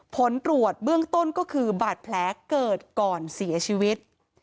ผลตรวจเบื้องต้นก็คือบาดแผลเกิดก่อนเสียชีวิต